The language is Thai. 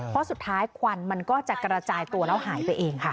เพราะสุดท้ายควันมันก็จะกระจายตัวแล้วหายไปเองค่ะ